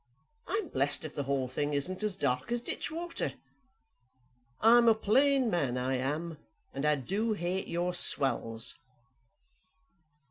I'm blessed if the whole thing isn't as dark as ditch water. I'm a plain man, I am; and I do hate your swells."